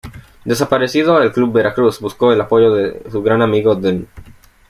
Desaparecido el Club Veracruz, buscó el apoyo de su gran amigo Dn.